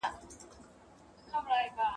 د پرنګ توپ يې خاموش کی !.